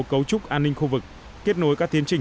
cấu trúc an ninh khu vực kết nối các tiến trình